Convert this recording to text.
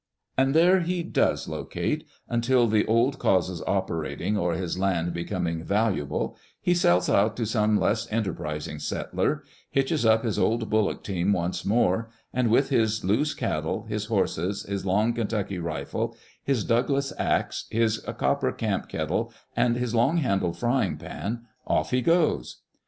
And there he does " locate," until the old causes operating, or his land becoming valu able, he sells out to some less enterprising settler, hitches up his old bullock team once more, and with his loose cattle, his horses, his long Ken tucky rifle, his Douglas axe, his copper camp kettle, and his long handled frying pan, off he goes.